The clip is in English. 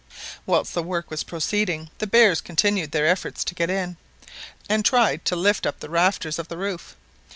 Whilst the work was proceeding, the bears continued their efforts to get in, and tried to lift up the rafters of .the roof.